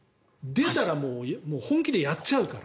出たら本気でやっちゃうから。